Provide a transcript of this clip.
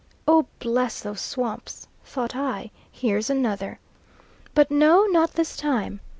"Oh, bless those swamps!" thought I, "here's another," but no not this time.